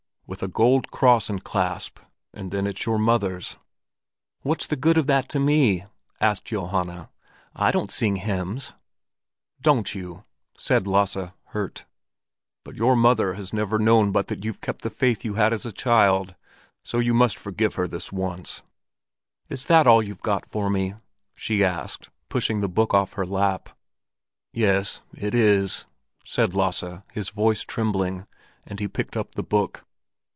"With a gold cross and clasp—and then, it's your mother's." "What's the good of that to me?" asked Johanna. "I don't sing hymns." "Don't you?" said Lasse, hurt. "But your mother has never known but that you've kept the faith you had as a child, so you must forgive her this once." "Is that all you've got for me?" she asked, pushing the book off her lap. "Yes, it is," said Lasse, his voice trembling; and he picked up the book.